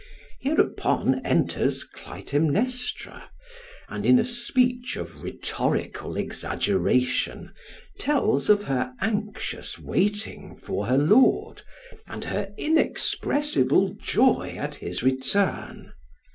Hereupon enters Clytemnestra, and in a speech of rhetorical exaggeration tells of her anxious waiting for her lord and her inexpressible joy at his return.